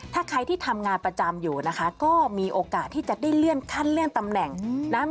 ถ้าใครที่ทำงานประจำอยู่นะคะก็มีโอกาสที่จะได้เลื่อนขั้นเลื่อนตำแหน่งนะ